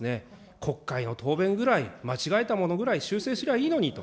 国会の答弁ぐらい、間違えたものぐらい修正すりゃいいのにと。